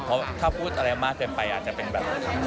เพราะถ้าพูดอะไรมากเกินไปอาจจะเป็นแบบ